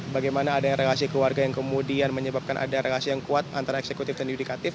bagaimana adanya relasi keluarga yang kemudian menyebabkan ada relasi yang kuat antara eksekutif dan yudikatif